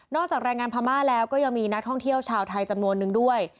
จากแรงงานพม่าแล้วก็ยังมีนักท่องเที่ยวชาวไทยจำนวนนึงด้วย